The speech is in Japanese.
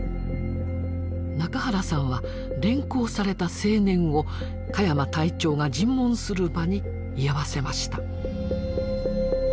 仲原さんは連行された青年を鹿山隊長が尋問する場に居合わせました。